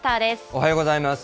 おはようございます。